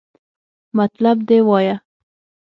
مطلب دې وایا!